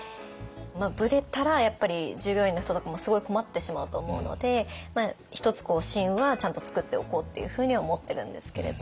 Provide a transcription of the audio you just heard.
ブレたらやっぱり従業員の人とかもすごい困ってしまうと思うので一つ芯はちゃんと作っておこうっていうふうには思ってるんですけれど